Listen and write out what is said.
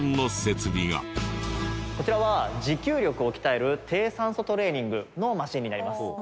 こちらは持久力を鍛える低酸素トレーニングのマシンになります。